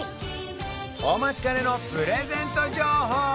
お待ちかねのプレゼント情報